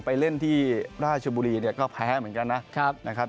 ไปเล่นที่ราชบุรีเนี่ยก็แพ้เหมือนกันนะครับ